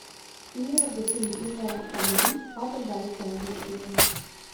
Ien op de fiif ynwenners fan de wyk hat in bystânsútkearing.